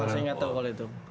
oh saya nyatu kalau itu